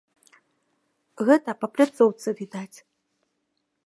Гэта па пляцоўцы відаць.